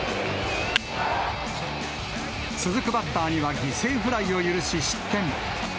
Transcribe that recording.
続くバッターには犠牲フライを許し、失点。